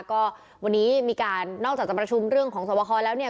ก็วันนี้มีการนอกจากจะประชุมเรื่องของสวบคอแล้วเนี่ย